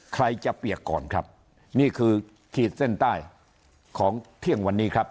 ใครจะเปียกก่อนครับนี่คือขีดเส้นใต้ของเที่ยงวันนี้ครับ